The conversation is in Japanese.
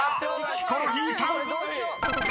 ヒコロヒーさん］